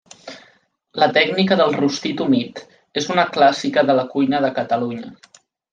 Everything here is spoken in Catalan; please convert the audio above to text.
La tècnica del rostit humit és una clàssica de la cuina de Catalunya.